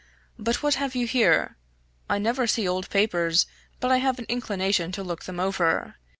But what have you here? I never see old papers but I have an inclination to look them over.